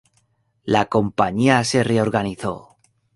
La compañía se reorganizó.